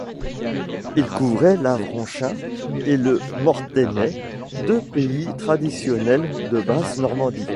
Il couvrait l'Avranchin et le Mortainais, deux pays traditionnels de Basse-Normandie.